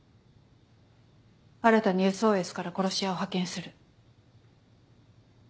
新たに「ＳＯＳ」から殺し屋を派遣する。